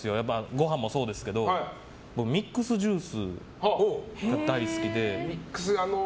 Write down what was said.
ご飯もそうですけど僕、ミックスジュースが大好きで。